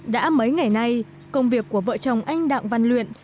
đã mấy ngày nay công việc của vợ chồng anh đặng văn luyện